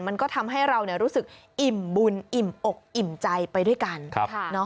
มันก็ทำให้เรารู้สึกอิ่มบุญอิ่มอกอิ่มใจไปด้วยกัน